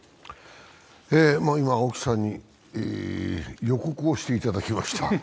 今、青木さんに予告をしていただきました。